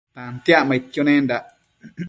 Tantiacmaidquio nendac